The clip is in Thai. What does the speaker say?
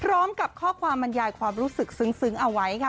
พร้อมกับข้อความบรรยายความรู้สึกซึ้งเอาไว้ค่ะ